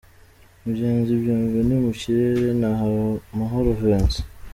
Mugenzi Bienvenue mu kirere na Habamahoro Vincent.